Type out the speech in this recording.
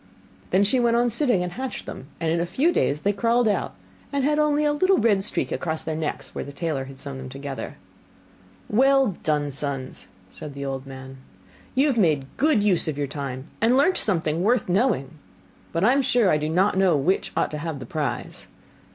Then she went on sitting, and hatched them: and in a few days they crawled out, and had only a little red streak across their necks, where the tailor had sewn them together. 'Well done, sons!' said the old man; 'you have made good use of your time, and learnt something worth the knowing; but I am sure I do not know which ought to have the prize.